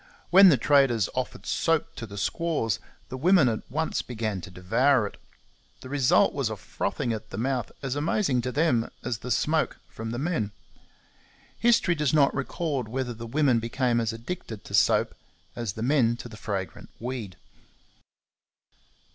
When the traders offered soap to the squaws, the women at once began to devour it. The result was a frothing at the mouth as amazing to them as the smoke from the men. History does not record whether the women became as addicted to soap as the men to the fragrant weed.